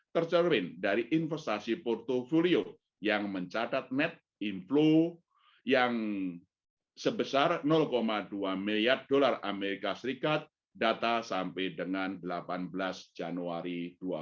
tercermin dari investasi portfolio yang mencatat net inflow yang sebesar dua miliar dolar as data sampai dengan delapan belas januari dua ribu dua puluh